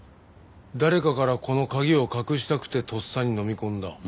誰かからこの鍵を隠したくてとっさにのみ込んだ。